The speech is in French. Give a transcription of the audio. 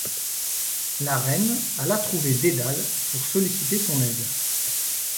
La reine alla trouver Dédale pour solliciter son aide.